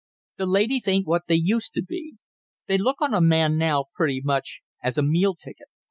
The ladies ain't what they used to be. They look on a man now pretty much as a meal ticket.